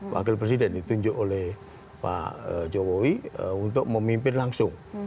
wakil presiden ditunjuk oleh pak jokowi untuk memimpin langsung